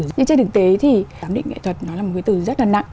nhưng trên thực tế thì giám định nghệ thuật nó là một cái từ rất là nặng